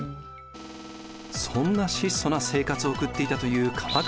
そんな質素な生活を送っていたという鎌倉の武士。